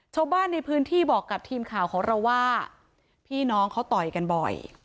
ชาวบ้านในพื้นที่บอกกับทีมข่าวของเราว่าพี่น้องเขาต่อยกันบ่อย